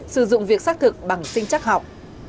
sử dụng việc xác thực bằng sinh chắc học